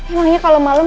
emangnya kalau malam